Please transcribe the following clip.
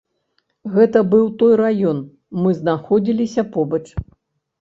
Гэта быў той раён, мы знаходзіліся побач.